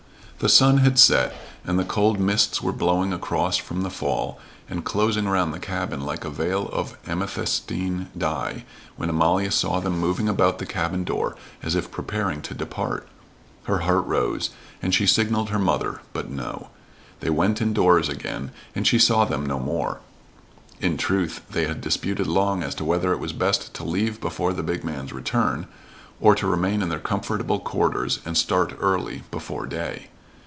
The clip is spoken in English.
The sun had set and the cold mists were blowing across from the fall and closing around the cabin like a veil of amethystine dye, when Amalia saw them moving about the cabin door as if preparing to depart. Her heart rose, and she signaled her mother, but no. They went indoors again, and she saw them no more. In truth they had disputed long as to whether it was best to leave before the big man's return, or to remain in their comfortable quarters and start early, before day.